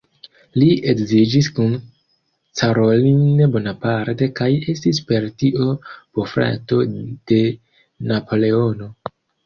Li edziĝis kun Caroline Bonaparte kaj estis per tio bofrato de Napoleono.